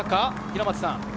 平松さん。